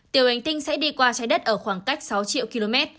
tiểu hành tinh sẽ đi qua trái đất ở khoảng cách sáu triệu km